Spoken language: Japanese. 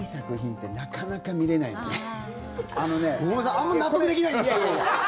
あまり納得できないんですけど。